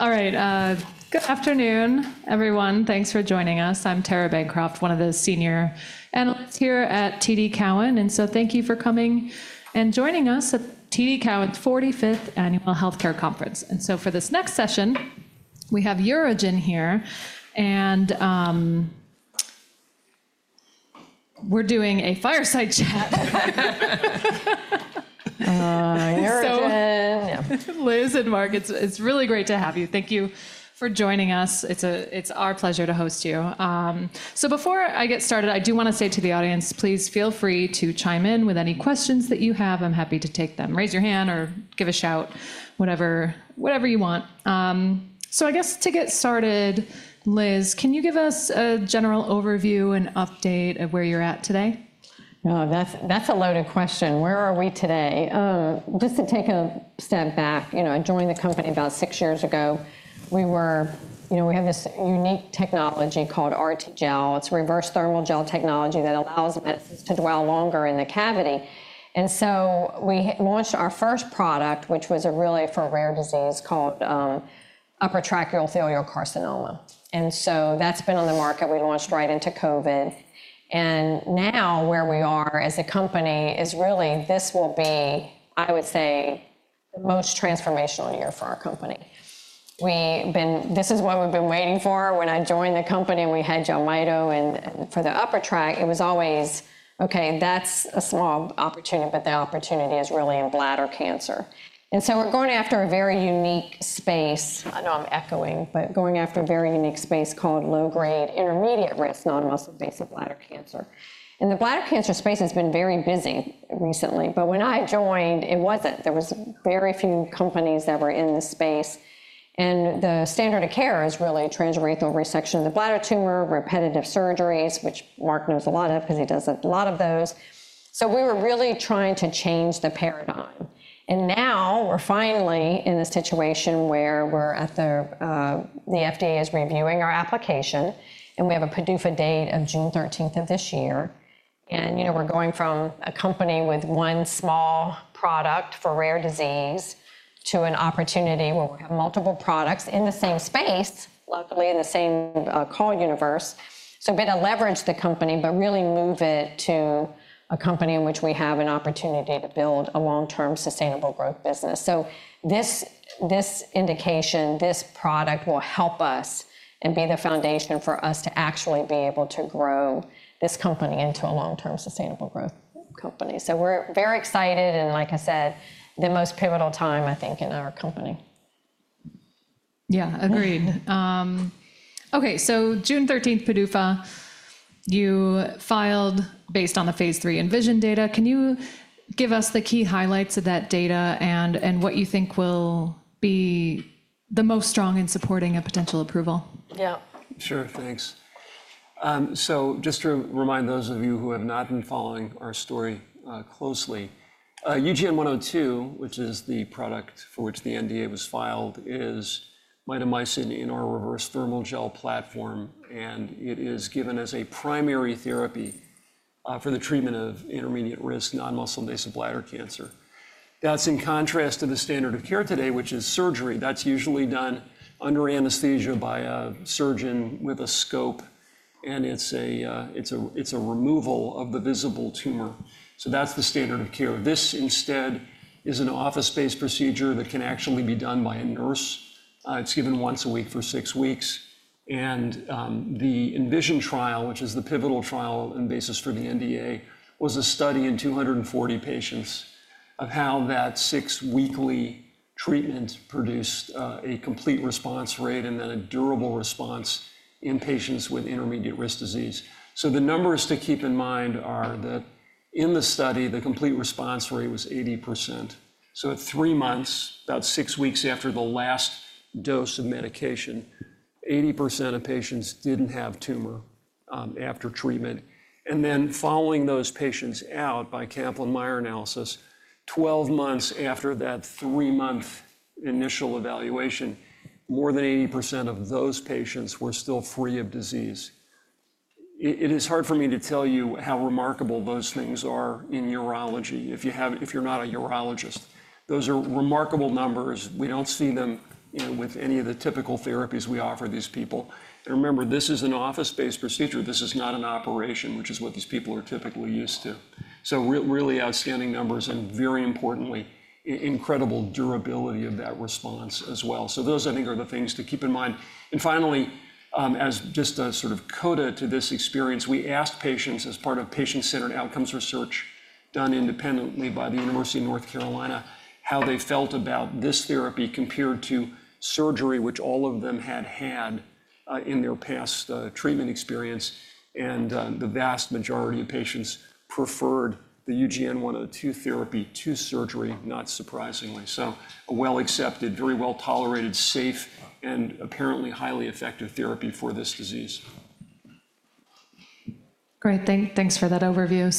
All right. Good afternoon, everyone. Thanks for joining us. I'm Tara Bancroft, one of the senior analysts here at TD Cowen. Thank you for coming and joining us at TD Cowen's 45th Annual Health Care Conference. For this next session, we have UroGen here, and we're doing a fireside chat. Liz and Mark, it's really great to have you. Thank you for joining us. It's our pleasure to host you. Before I get started, I do want to say to the audience, please feel free to chime in with any questions that you have. I'm happy to take them. Raise your hand or give a shout, whatever you want. I guess to get started, Liz, can you give us a general overview and update of where you're at today? Oh, that's a loaded question. Where are we today? Just to take a step back, you know, I joined the company about six years ago. We have this unique technology called RTGel. It's reverse thermal gel technology that allows medicines to dwell longer in the cavity. We launched our first product, which was really for a rare disease called upper tract urothelial carcinoma. That's been on the market. We launched right into COVID. Now where we are as a company is really this will be, I would say, the most transformational year for our company. This is what we've been waiting for. When I joined the company and we had Jelmyto for the upper tract, it was always, okay, that's a small opportunity, but the opportunity is really in bladder cancer. We're going after a very unique space. I know I'm echoing, but going after a very unique space called low-grade intermediate-risk non-muscle invasive bladder cancer. The bladder cancer space has been very busy recently. When I joined, it wasn't. There were very few companies that were in the space. The standard of care is really transurethral resection of the bladder tumor, repetitive surgeries, which Mark knows a lot of because he does a lot of those. We were really trying to change the paradigm. Now we're finally in a situation where the FDA is reviewing our application. We have a PDUFA date of June 13 of this year. We're going from a company with one small product for rare disease to an opportunity where we have multiple products in the same space, luckily in the same call universe. We have been able to leverage the company, but really move it to a company in which we have an opportunity to build a long-term sustainable growth business. This indication, this product will help us and be the foundation for us to actually be able to grow this company into a long-term sustainable growth company. We are very excited. Like I said, the most pivotal time, I think, in our company. Yeah, agreed. Okay, so June 13 PDUFA, you filed based on the phase III ENVISION data. Can you give us the key highlights of that data and what you think will be the most strong in supporting a potential approval? Yeah. Sure, thanks. Just to remind those of you who have not been following our story closely, UGN-102, which is the product for which the NDA was filed, is mitomycin in our reverse thermal gel platform. It is given as a primary therapy for the treatment of intermediate-risk non-muscle invasive bladder cancer. That is in contrast to the standard of care today, which is surgery. That is usually done under anesthesia by a surgeon with a scope, and it is a removal of the visible tumor. That is the standard of care. This instead is an office-based procedure that can actually be done by a nurse. It is given once a week for six weeks. The ENVISION trial, which is the pivotal trial and basis for the NDA, was a study in 240 patients of how that six-weekly treatment produced a complete response rate and then a durable response in patients with intermediate-risk disease. The numbers to keep in mind are that in the study, the complete response rate was 80%. At three months, about six weeks after the last dose of medication, 80% of patients did not have tumor after treatment. Following those patients out by Kaplan-Meier analysis, 12 months after that three-month initial evaluation, more than 80% of those patients were still free of disease. It is hard for me to tell you how remarkable those things are in urology if you are not a urologist. Those are remarkable numbers. We do not see them with any of the typical therapies we offer these people. Remember, this is an office-based procedure. This is not an operation, which is what these people are typically used to. Really outstanding numbers and, very importantly, incredible durability of that response as well. Those, I think, are the things to keep in mind. Finally, as just a sort of coda to this experience, we asked patients as part of patient-centered outcomes research done independently by the University of North Carolina how they felt about this therapy compared to surgery, which all of them had had in their past treatment experience. The vast majority of patients preferred the UGN-102 therapy to surgery, not surprisingly. A well-accepted, very well-tolerated, safe, and apparently highly effective therapy for this disease. Great. Thanks for that overview.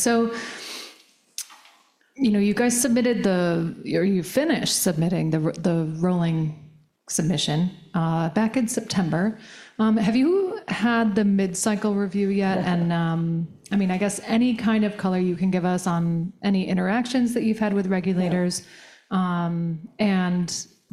You guys submitted the or you finished submitting the rolling submission back in September. Have you had the mid-cycle review yet? I mean, I guess any kind of color you can give us on any interactions that you've had with regulators.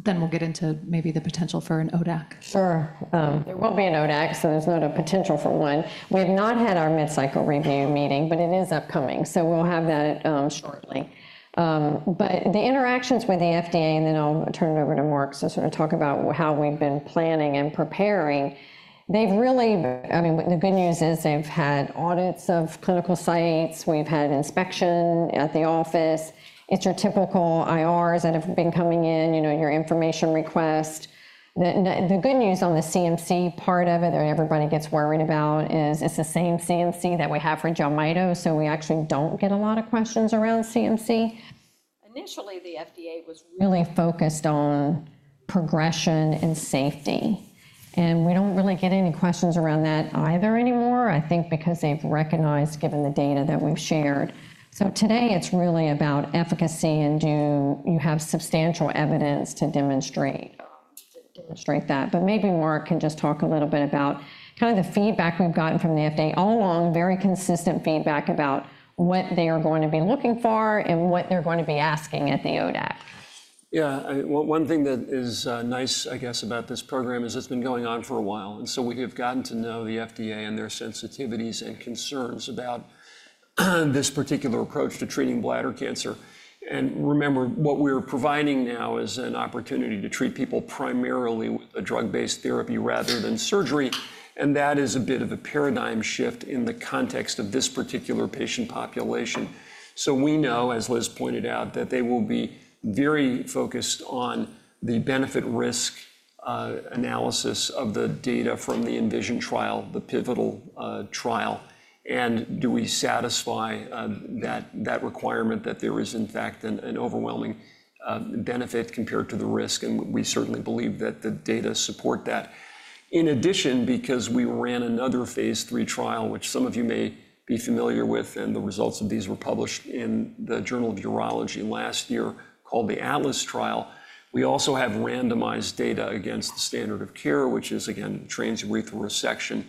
Then we'll get into maybe the potential for an ODAC. Sure. There will not be an ODAC, so there is not a potential for one. We have not had our mid-cycle review meeting, but it is upcoming. We will have that shortly. The interactions with the FDA, and then I will turn it over to Mark to sort of talk about how we have been planning and preparing. They have really. I mean, the good news is they have had audits of clinical sites. We have had inspection at the office. It is your typical IRs that have been coming in, your information request. The good news on the CMC part of it that everybody gets worried about is it is the same CMC that we have for Jelmyto. We actually do not get a lot of questions around CMC. Initially, the FDA was really focused on progression and safety. We do not really get any questions around that either anymore, I think, because they have recognized, given the data that we have shared. Today, it is really about efficacy and do you have substantial evidence to demonstrate that. Maybe Mark can just talk a little bit about the feedback we have gotten from the FDA, all along very consistent feedback about what they are going to be looking for and what they are going to be asking at the ODAC. Yeah, one thing that is nice, I guess, about this program is it's been going on for a while. We have gotten to know the FDA and their sensitivities and concerns about this particular approach to treating bladder cancer. Remember, what we are providing now is an opportunity to treat people primarily with a drug-based therapy rather than surgery. That is a bit of a paradigm shift in the context of this particular patient population. We know, as Liz pointed out, that they will be very focused on the benefit-risk analysis of the data from the ENVISION trial, the pivotal trial. Do we satisfy that requirement that there is, in fact, an overwhelming benefit compared to the risk? We certainly believe that the data support that. In addition, because we ran another phase III trial, which some of you may be familiar with, and the results of these were published in the Journal of Urology last year called the ATLAS trial, we also have randomized data against the standard of care, which is, again, transurethral resection.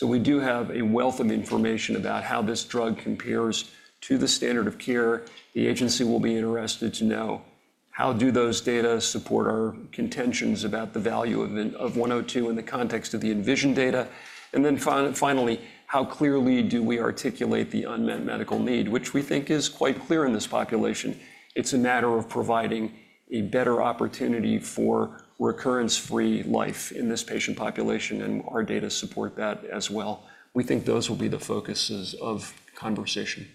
We do have a wealth of information about how this drug compares to the standard of care. The agency will be interested to know how do those data support our contentions about the value of UGN-102 in the context of the ENVISION data. Finally, how clearly do we articulate the unmet medical need, which we think is quite clear in this population. It is a matter of providing a better opportunity for recurrence-free life in this patient population. Our data support that as well. We think those will be the focuses of conversation.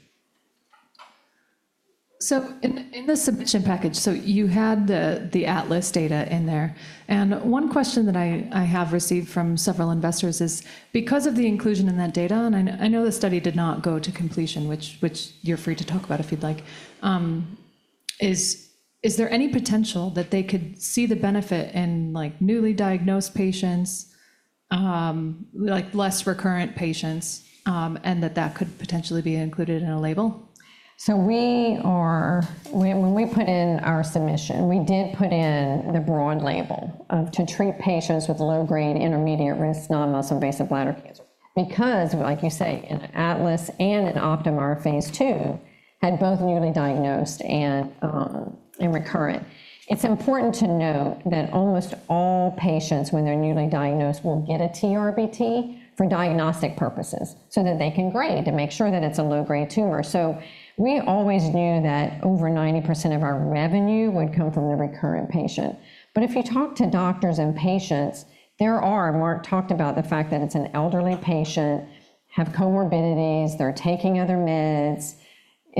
In the submission package, you had the ATLAS data in there. One question that I have received from several investors is, because of the inclusion in that data, and I know the study did not go to completion, which you're free to talk about if you'd like, is there any potential that they could see the benefit in newly diagnosed patients, like less recurrent patients, and that that could potentially be included in a label? When we put in our submission, we did put in the broad label to treat patients with low-grade intermediate-risk non-muscle invasive bladder cancer. Because, like you say, ATLAS and OPTIMA II, had both newly diagnosed and recurrent. It's important to note that almost all patients, when they're newly diagnosed, will get a TURBT for diagnostic purposes so that they can grade to make sure that it's a low-grade tumor. We always knew that over 90% of our revenue would come from the recurrent patient. If you talk to doctors and patients, Mark talked about the fact that it's an elderly patient, have comorbidities, they're taking other meds.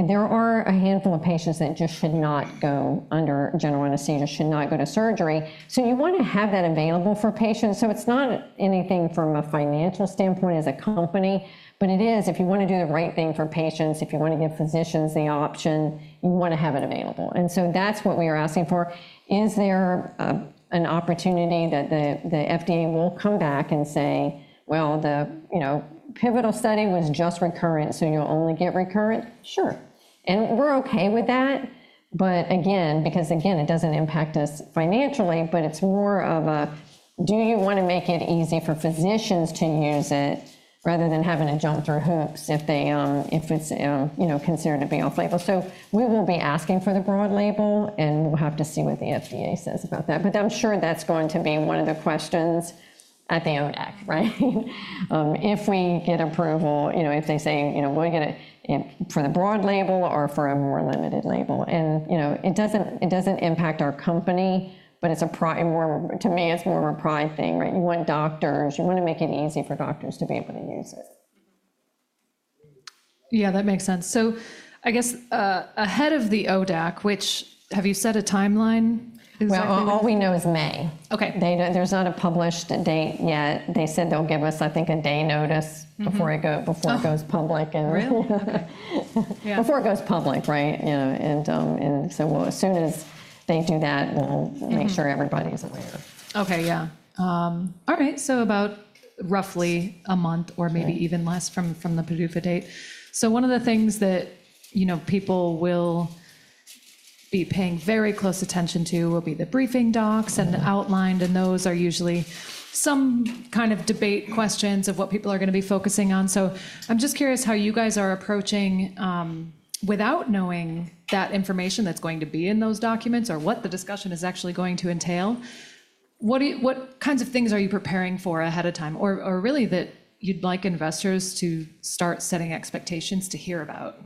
There are a handful of patients that just should not go under general anesthesia, should not go to surgery. You want to have that available for patients. It is not anything from a financial standpoint as a company, but it is if you want to do the right thing for patients, if you want to give physicians the option, you want to have it available. That is what we are asking for. Is there an opportunity that the FDA will come back and say, well, the pivotal study was just recurrent, so you will only get recurrent? Sure. We are okay with that. Again, it does not impact us financially, but it is more of a, do you want to make it easy for physicians to use it rather than having to jump through hoops if it is considered to be off-label? We will be asking for the broad label, and we will have to see what the FDA says about that. I am sure that is going to be one of the questions at the ODAC, right? If we get approval, if they say, we'll get it for the broad label or for a more limited label. It doesn't impact our company, but to me, it's more of a pride thing. You want doctors. You want to make it easy for doctors to be able to use it. Yeah, that makes sense. I guess ahead of the ODAC, which, have you set a timeline? All we know is May. There's not a published date yet. They said they'll give us, I think, a day notice before it goes public. Really? Before it goes public, right? As soon as they do that, we'll make sure everybody's aware. Okay, yeah. All right, so about roughly a month or maybe even less from the PDUFA date. One of the things that people will be paying very close attention to will be the briefing docs and the outline. Those are usually some kind of debate questions of what people are going to be focusing on. I'm just curious how you guys are approaching without knowing that information that's going to be in those documents or what the discussion is actually going to entail. What kinds of things are you preparing for ahead of time or really that you'd like investors to start setting expectations to hear about?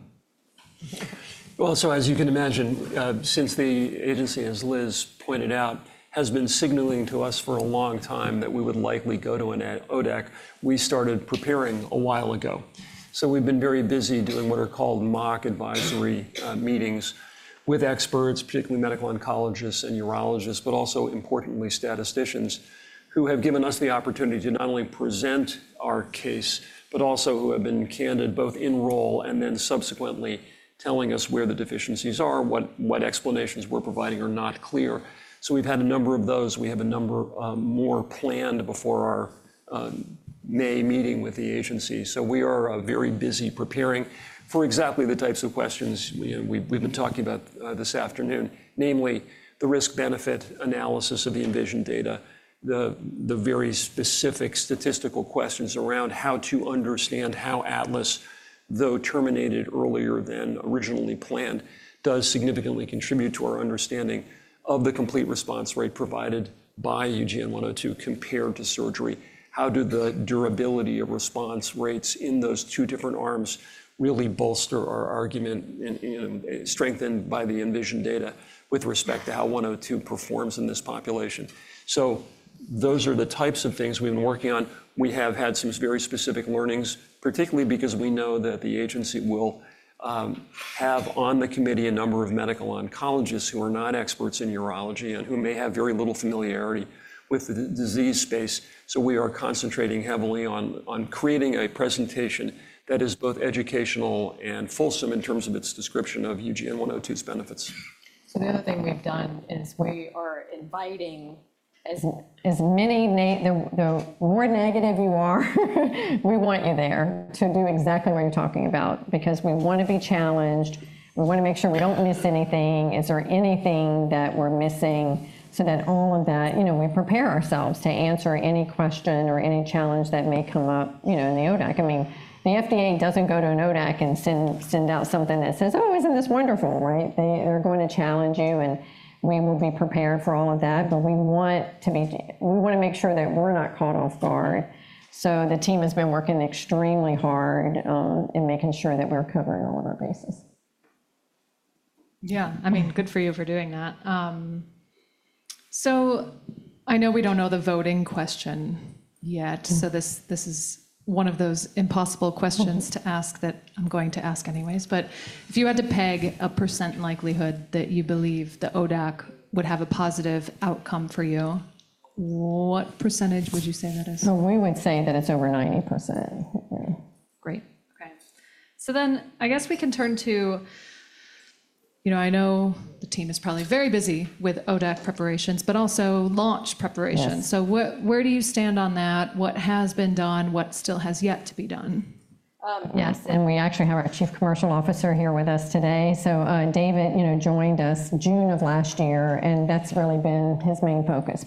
As you can imagine, since the agency, as Liz pointed out, has been signaling to us for a long time that we would likely go to an ODAC, we started preparing a while ago. We have been very busy doing what are called mock advisory meetings with experts, particularly medical oncologists and urologists, but also, importantly, statisticians who have given us the opportunity to not only present our case, but also who have been candid both in role and then subsequently telling us where the deficiencies are, what explanations we are providing are not clear. We have had a number of those. We have a number more planned before our May meeting with the agency. We are very busy preparing for exactly the types of questions we've been talking about this afternoon, namely the risk-benefit analysis of the ENVISION data, the very specific statistical questions around how to understand how ATLAS, though terminated earlier than originally planned, does significantly contribute to our understanding of the complete response rate provided by UGN-102 compared to surgery. How do the durability of response rates in those two different arms really bolster our argument, strengthened by the ENVISION data with respect to how UGN-102 performs in this population? Those are the types of things we've been working on. We have had some very specific learnings, particularly because we know that the agency will have on the committee a number of medical oncologists who are not experts in urology and who may have very little familiarity with the disease space. We are concentrating heavily on creating a presentation that is both educational and fulsome in terms of its description of UGN-102's benefits. The other thing we've done is we are inviting as many, the more negative you are, we want you there to do exactly what you're talking about because we want to be challenged. We want to make sure we don't miss anything. Is there anything that we're missing so that all of that we prepare ourselves to answer any question or any challenge that may come up in the ODAC. I mean, the FDA doesn't go to an ODAC and send out something that says, oh, isn't this wonderful, right? They're going to challenge you. We will be prepared for all of that. We want to make sure that we're not caught off guard. The team has been working extremely hard in making sure that we're covering all of our bases. Yeah, I mean, good for you for doing that. I know we don't know the voting question yet. This is one of those impossible questions to ask that I'm going to ask anyways. If you had to peg a percent likelihood that you believe the ODAC would have a positive outcome for you, what percentage would you say that is? We would say that it's over 90%. Great. Okay. I guess we can turn to I know the team is probably very busy with ODAC preparations, but also launch preparations. Where do you stand on that? What has been done? What still has yet to be done? Yes. We actually have our Chief Commercial Officer here with us today. David joined us June of last year. That has really been his main focus.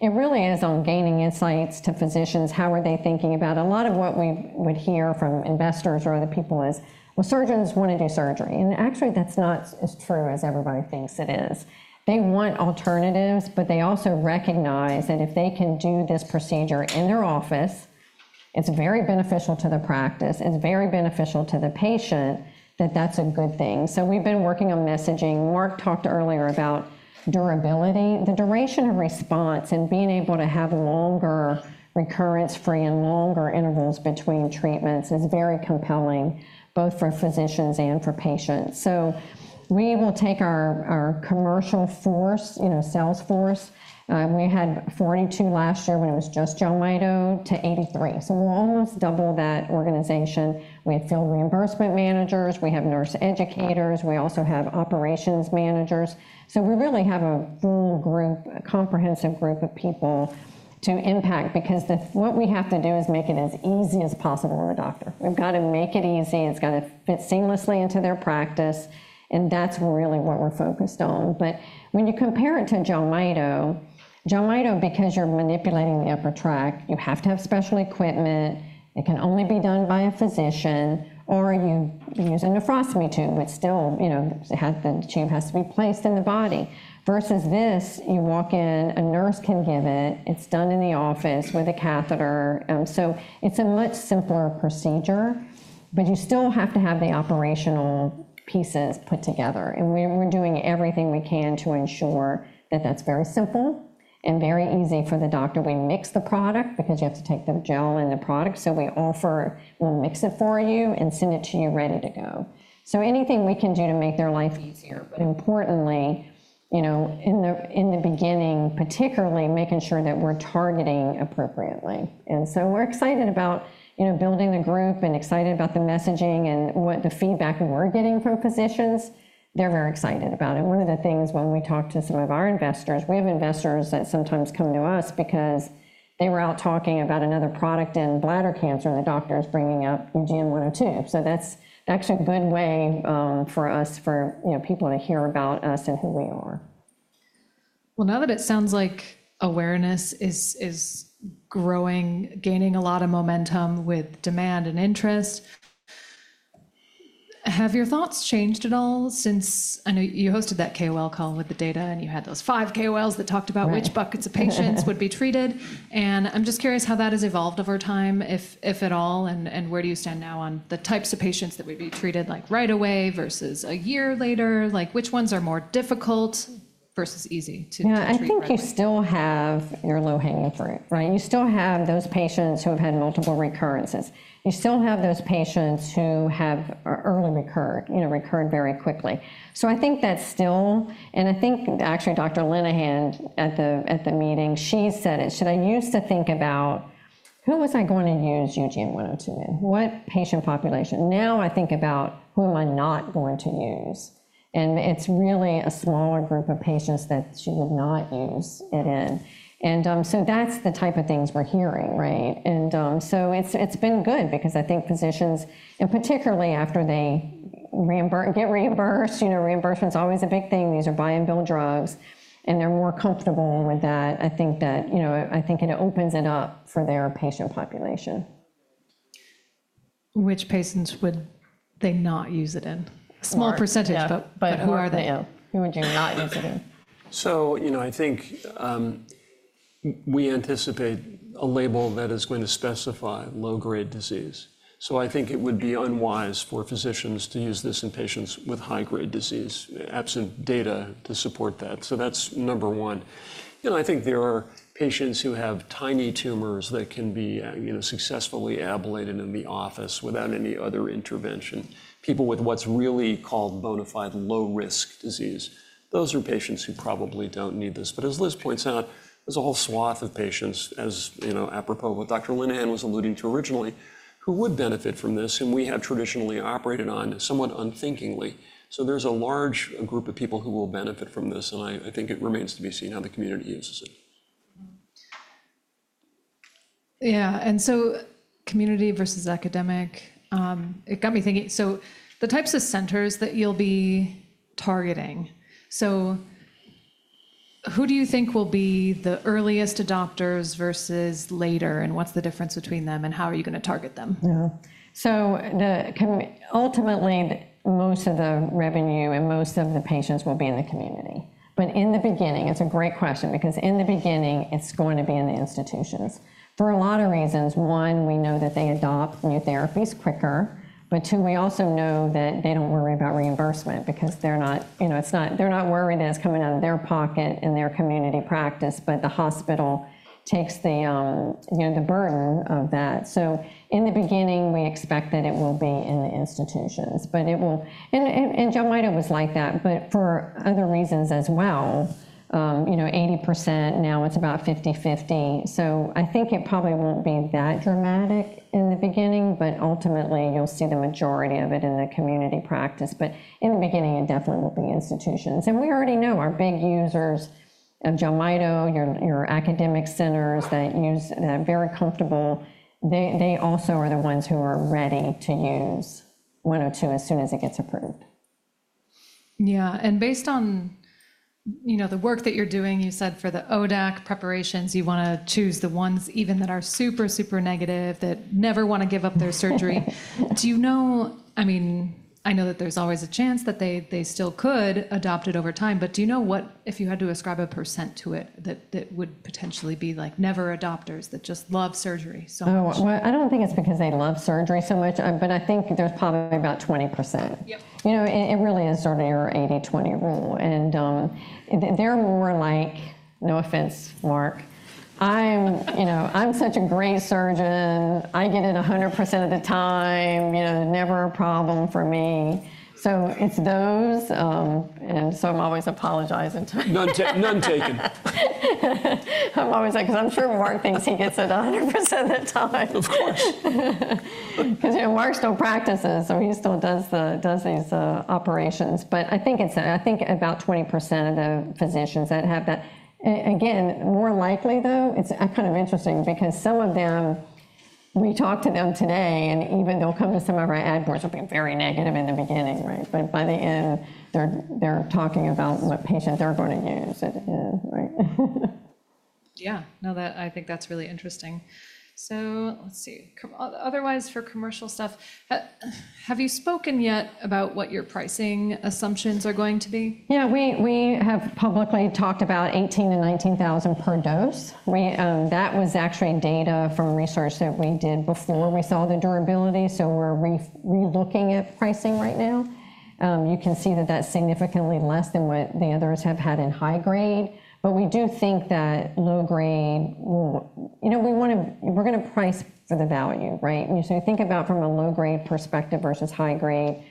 It really is on gaining insights to physicians, how are they thinking about a lot of what we would hear from investors or other people is, well, surgeons want to do surgery. Actually, that is not as true as everybody thinks it is. They want alternatives, but they also recognize that if they can do this procedure in their office, it is very beneficial to the practice. It is very beneficial to the patient that that is a good thing. We have been working on messaging. Mark talked earlier about durability. The duration of response and being able to have longer recurrence-free and longer intervals between treatments is very compelling, both for physicians and for patients. We will take our commercial force, sales force. We had 42 last year when it was just Jelmyto to 83. We will almost double that organization. We have field reimbursement managers. We have nurse educators. We also have operations managers. We really have a full group, comprehensive group of people to impact because what we have to do is make it as easy as possible for a doctor. We have to make it easy. It has to fit seamlessly into their practice. That is really what we are focused on. When you compare it to Jelmyto, Jelmyto, because you are manipulating the upper tract, you have to have special equipment. It can only be done by a physician. Or you use a nephrostomy tube, which still has the tube that has to be placed in the body. Versus this, you walk in, a nurse can give it. It's done in the office with a catheter. It is a much simpler procedure, but you still have to have the operational pieces put together. We are doing everything we can to ensure that is very simple and very easy for the doctor. We mix the product because you have to take the gel and the product. We offer, we will mix it for you and send it to you ready to go. Anything we can do to make their life easier. Importantly, in the beginning, particularly making sure that we are targeting appropriately. We are excited about building the group and excited about the messaging and the feedback we are getting from physicians. They are very excited about it. One of the things when we talk to some of our investors, we have investors that sometimes come to us because they were out talking about another product in bladder cancer, and the doctor is bringing up UGN-102. That is actually a good way for us, for people to hear about us and who we are. Now that it sounds like awareness is growing, gaining a lot of momentum with demand and interest, have your thoughts changed at all since I know you hosted that KOL call with the data, and you had those five KOLs that talked about which buckets of patients would be treated. I'm just curious how that has evolved over time, if at all, and where do you stand now on the types of patients that would be treated like right away versus a year later? Like which ones are more difficult versus easy to treat? Yeah, I think you still have your low hanging fruit, right? You still have those patients who have had multiple recurrences. You still have those patients who have early recurred, recurred very quickly. I think that's still, and I think actually Dr. Linehan at the meeting, she said it. She said, I used to think about who was I going to use UGN-102 in? What patient population? Now I think about who am I not going to use. It's really a smaller group of patients that she would not use it in. That's the type of things we're hearing, right? It's been good because I think physicians, and particularly after they get reimbursed, reimbursement's always a big thing. These are buy-and-bill drugs. They're more comfortable with that. I think that I think it opens it up for their patient population. Which patients would they not use it in? Small percentage, but who are they? Yeah. Who would you not use it in? I think we anticipate a label that is going to specify low-grade disease. I think it would be unwise for physicians to use this in patients with high-grade disease, absent data to support that. That is number one. I think there are patients who have tiny tumors that can be successfully ablated in the office without any other intervention. People with what is really called bona fide low-risk disease, those are patients who probably do not need this. As Liz points out, there is a whole swath of patients, as apropos what Dr. Linehan was alluding to originally, who would benefit from this. We have traditionally operated on somewhat unthinkingly. There is a large group of people who will benefit from this. I think it remains to be seen how the community uses it. Yeah. Community versus academic, it got me thinking. The types of centers that you'll be targeting, who do you think will be the earliest adopters versus later? What's the difference between them? How are you going to target them? Yeah. Ultimately, most of the revenue and most of the patients will be in the community. In the beginning, it's a great question because in the beginning, it's going to be in the institutions for a lot of reasons. One, we know that they adopt new therapies quicker. Two, we also know that they don't worry about reimbursement because they're not worried that it's coming out of their pocket and their community practice, but the hospital takes the burden of that. In the beginning, we expect that it will be in the institutions. Jelmyto was like that, but for other reasons as well. 80%, now it's about 50/50. I think it probably won't be that dramatic in the beginning, but ultimately, you'll see the majority of it in the community practice. In the beginning, it definitely will be institutions. We already know our big users of Jelmyto, your academic centers that use that, very comfortable, they also are the ones who are ready to use UGN-102 as soon as it gets approved. Yeah. Based on the work that you're doing, you said for the ODAC preparations, you want to choose the ones even that are super, super negative that never want to give up their surgery. Do you know, I mean, I know that there's always a chance that they still could adopt it over time. Do you know what, if you had to ascribe a percent to it, that would potentially be like never adopters that just love surgery? Oh, I don't think it's because they love surgery so much. I think there's probably about 20%. It really is sort of your 80/20 rule. They're more like, no offense, Mark, I'm such a great surgeon. I get it 100% of the time. Never a problem for me. It's those. I'm always apologizing. None taken. I'm always because I'm sure Mark thinks he gets it 100% of the time. Of course. Because Mark still practices. He still does these operations. I think about 20% of the physicians have that. Again, more likely, though, it's kind of interesting because some of them, we talk to them today, and even they'll come to some of our ad boards, will be very negative in the beginning, right? By the end, they're talking about what patients are going to use. Yeah. No, I think that's really interesting. Let's see. Otherwise, for commercial stuff, have you spoken yet about what your pricing assumptions are going to be? Yeah. We have publicly talked about $18,000-$19,000 per dose. That was actually data from research that we did before we saw the durability. We are relooking at pricing right now. You can see that that's significantly less than what the others have had in high grade. We do think that low grade, we're going to price for the value, right? Think about from a low-grade perspective versus high grade.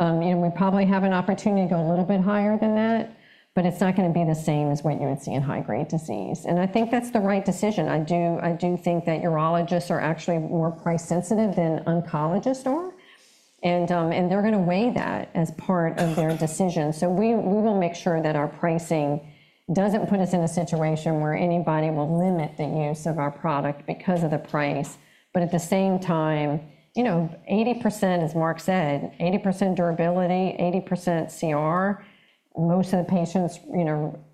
We probably have an opportunity to go a little bit higher than that, but it's not going to be the same as what you would see in high-grade disease. I think that's the right decision. I do think that urologists are actually more price-sensitive than oncologists are. They're going to weigh that as part of their decision. We will make sure that our pricing doesn't put us in a situation where anybody will limit the use of our product because of the price. At the same time, 80%, as Mark said, 80% durability, 80% CR. Most of the patients,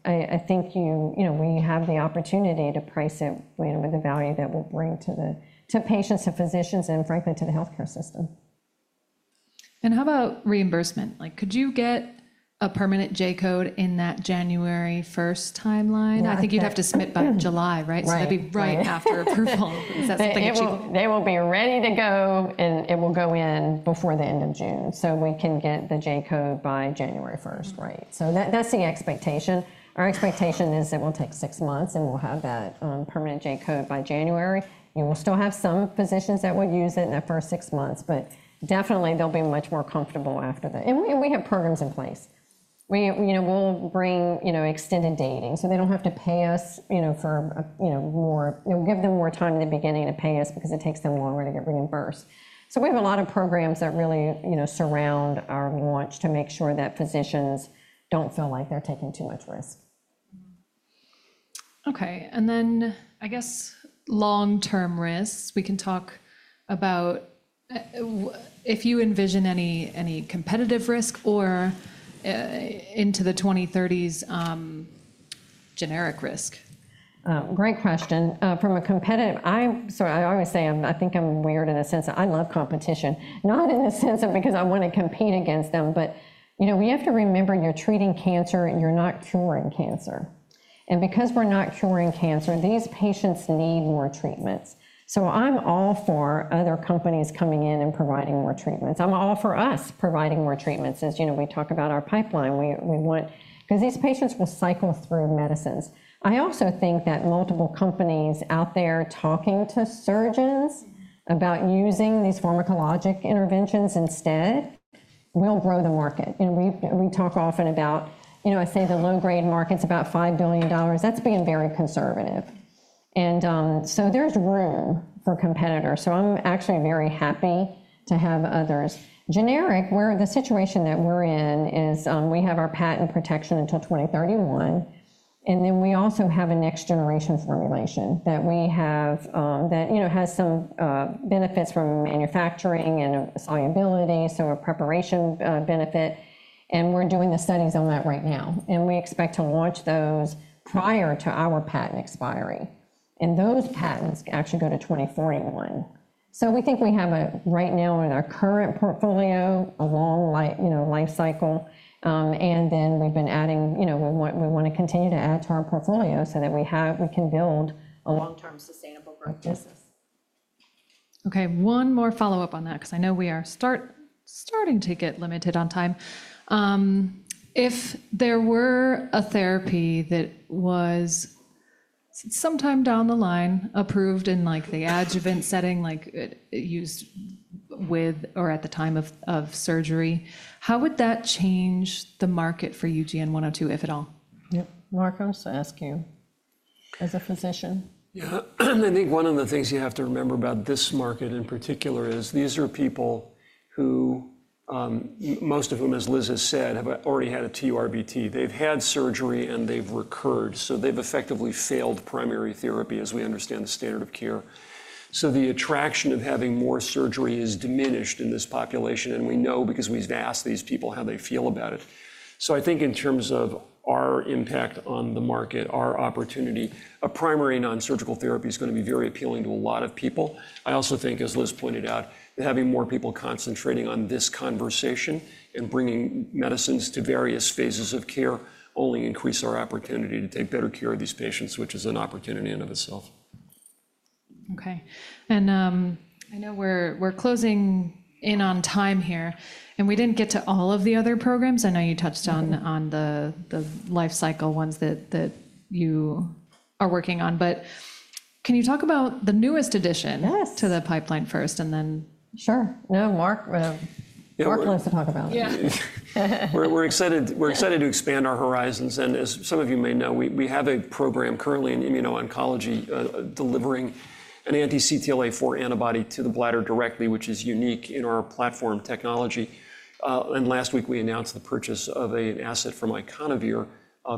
I think we have the opportunity to price it with the value that we'll bring to patients, to physicians, and frankly, to the health care system. How about reimbursement? Could you get a permanent J code in that January 1 timeline? I think you'd have to submit by July, right? That'd be right after approval. Is that something that you? They will be ready to go, and it will go in before the end of June. We can get the J code by January 1, right? That is the expectation. Our expectation is that it will take six months, and we will have that permanent J code by January. You will still have some physicians that will use it in the first six months. They will definitely be much more comfortable after that. We have programs in place. We will bring extended dating so they do not have to pay us for more. It will give them more time in the beginning to pay us because it takes them longer to get reimbursed. We have a lot of programs that really surround our launch to make sure that physicians do not feel like they are taking too much risk. Okay. I guess long-term risks, we can talk about if you envision any competitive risk or into the 2030s generic risk. Great question. From a competitive, I always say I think I'm weird in a sense. I love competition, not in the sense of because I want to compete against them. We have to remember you're treating cancer, and you're not curing cancer. Because we're not curing cancer, these patients need more treatments. I'm all for other companies coming in and providing more treatments. I'm all for us providing more treatments as we talk about our pipeline. These patients will cycle through medicines. I also think that multiple companies out there talking to surgeons about using these pharmacologic interventions instead will grow the market. We talk often about, I say the low-grade market's about $5 billion. That's being very conservative. There is room for competitors. I'm actually very happy to have others. Generic, the situation that we're in is we have our patent protection until 2031. We also have a next-generation formulation that we have that has some benefits from manufacturing and solubility, so a preparation benefit. We're doing the studies on that right now. We expect to launch those prior to our patent expiry. Those patents actually go to 2041. We think we have right now in our current portfolio a long life cycle. We've been adding, we want to continue to add to our portfolio so that we can build a long-term sustainable practice. Okay. One more follow-up on that because I know we are starting to get limited on time. If there were a therapy that was sometime down the line approved in the adjuvant setting, like used with or at the time of surgery, how would that change the market for UGN-102, if at all? Yep. Mark, I was going to ask you as a physician. Yeah. I think one of the things you have to remember about this market in particular is these are people who, most of whom, as Liz has said, have already had a TURBT. They've had surgery, and they've recurred. They've effectively failed primary therapy, as we understand the standard of care. The attraction of having more surgery is diminished in this population. We know because we've asked these people how they feel about it. I think in terms of our impact on the market, our opportunity, a primary nonsurgical therapy is going to be very appealing to a lot of people. I also think, as Liz pointed out, having more people concentrating on this conversation and bringing medicines to various phases of care only increases our opportunity to take better care of these patients, which is an opportunity in and of itself. Okay. I know we're closing in on time here. We didn't get to all of the other programs. I know you touched on the life cycle ones that you are working on. Can you talk about the newest addition to the pipeline first and then? Sure. Yeah. Mark likes to talk about it. Yeah. We're excited to expand our horizons. As some of you may know, we have a program currently in immuno-oncology delivering an anti-CTLA4 antibody to the bladder directly, which is unique in our platform technology. Last week, we announced the purchase of an asset from IconOVir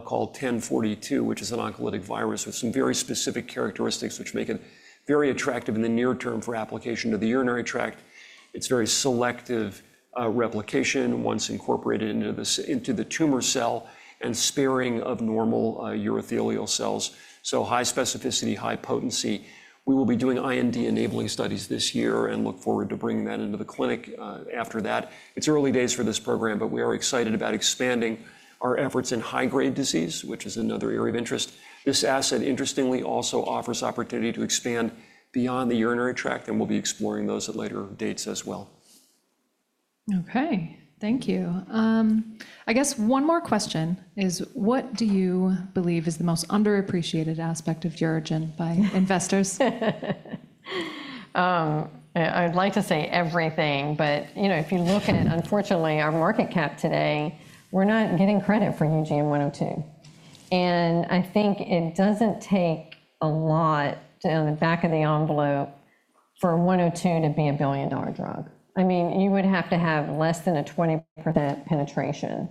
called ICVB-1042, which is an oncolytic virus with some very specific characteristics which make it very attractive in the near term for application to the urinary tract. It has very selective replication once incorporated into the tumor cell and sparing of normal urothelial cells. High specificity, high potency. We will be doing IND enabling studies this year and look forward to bringing that into the clinic after that. It's early days for this program, but we are excited about expanding our efforts in high-grade disease, which is another area of interest. This asset, interestingly, also offers opportunity to expand beyond the urinary tract. We will be exploring those at later dates as well. Okay. Thank you. I guess one more question is, what do you believe is the most underappreciated aspect of UroGen by investors? I'd like to say everything. But if you look at it, unfortunately, our market cap today, we're not getting credit for UGN-102. I think it doesn't take a lot on the back of the envelope for UGN-102 to be a billion-dollar drug. I mean, you would have to have less than a 20% penetration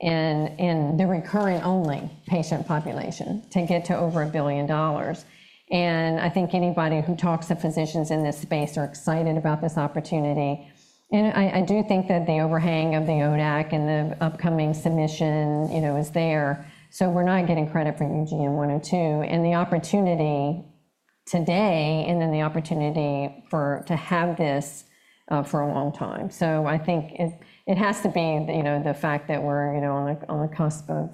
in the recurring-only patient population to get to over a billion dollars. I think anybody who talks to physicians in this space are excited about this opportunity. I do think that the overhang of the ODAC and the upcoming submission is there. We're not getting credit for UGN-102 and the opportunity today and then the opportunity to have this for a long time. I think it has to be the fact that we're on the cusp of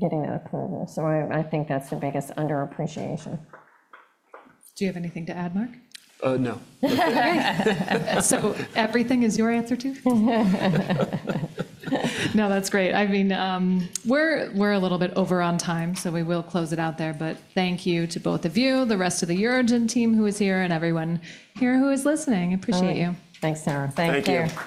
getting that approval. I think that's the biggest underappreciation. Do you have anything to add, Mark? No. That is great. I mean, we are a little bit over on time. We will close it out there. Thank you to both of you, the rest of the UroGen team who is here, and everyone here who is listening. Appreciate you. Thanks, Sarah. Thank you.